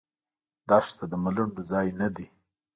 دښته د ملنډو ځای نه دی.